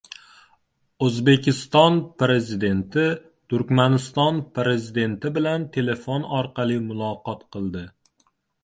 O‘zbekiston Prezidenti Turkmaniston Prezidenti bilan telefon orqali muloqot qildi